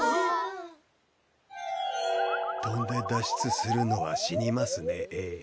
飛んで脱出するのは死にますねえぇ。